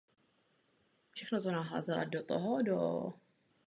Žaludy mohou být přisedlé nebo krátce či dlouze stopkaté.